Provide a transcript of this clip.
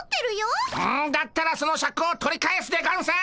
うんだったらそのシャクを取り返すでゴンス！